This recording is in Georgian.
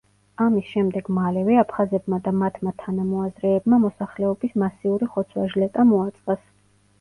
ამის შემდეგ მალევე აფხაზებმა და მათმა თანამოაზრეებმა მოსახლეობის მასიური ხოცვა-ჟლეტა მოაწყეს.